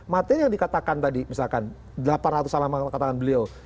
materi yang dikatakan tadi misalkan delapan ratus alam katakan beliau